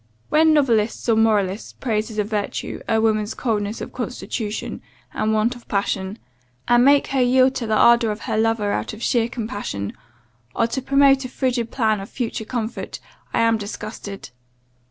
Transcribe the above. When novelists or moralists praise as a virtue, a woman's coldness of constitution, and want of passion; and make her yield to the ardour of her lover out of sheer compassion, or to promote a frigid plan of future comfort, I am disgusted.